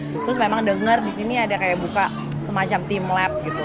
terus memang denger di sini ada kayak buka semacam tim lab gitu